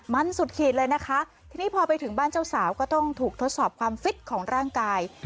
มันสุดขีดเลยนะคะทีนี้พอไปถึงบ้านเจ้าสาวก็ต้องถูกทดสอบความฟิตของร่างกาย